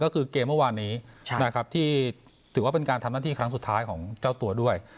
ก็คือเกมเมื่อวานนี้นะครับที่ถือว่าเป็นการทำหน้าที่ครั้งสุดท้ายของเจ้าตัวด้วย